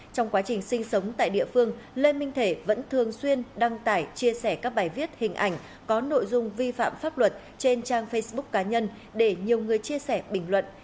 trong quá trình sinh sống tại địa phương lê minh thể vẫn thường xuyên đăng tải chia sẻ các bài viết hình ảnh có nội dung vi phạm pháp luật trên trang facebook cá nhân để nhiều người chia sẻ bình luận